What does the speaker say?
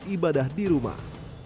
ibadah di rumah